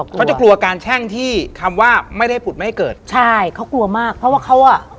เขาจะกลัวการแช่งที่คำว่าไม่ได้ผุดไม่ให้เกิดใช่เขากลัวมากเพราะว่าเขาอ่ะ